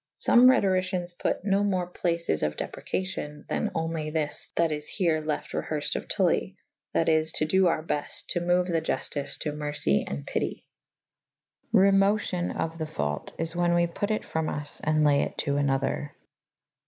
Some Rhetoriciens put no mo places of deprecacion than only this that is here laft reherced of Tulli / that is to do our beft to moue the iuftice to mercy and pity. Remocion of the faute is whan we put it from vs and lay it to another.